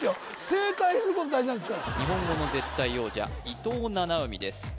正解することが大事なんですから日本語の絶対王者伊藤七海です